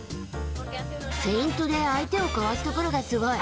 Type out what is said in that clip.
フェイントで相手をかわすところがすごい。